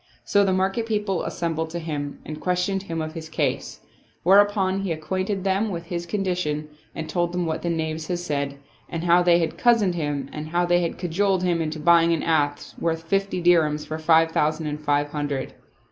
So the market people assembled to him and ques tioned him of his case ; whereupon he acquainted them with his condition and told them what the knaves had said and how they had cozened him and how they had cajoled him into buying an ass worth fifty dirhams for five thousand and five hundred.